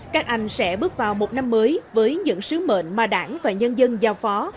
các anh sẽ bước vào một năm mới với những sứ mệnh mà đảng và nhân dân giao phó